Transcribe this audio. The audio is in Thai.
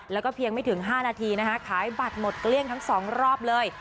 แล้วก็เพียงไม่ถึง๕นาทีนะคะขายบัตรหมดเกลี้ยงทั้ง๒รอบเลย